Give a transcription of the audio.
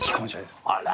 あら。